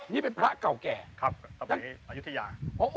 นี่เป็นพระเก่าแก่ครับครับในอายุทธยาครับค่ะ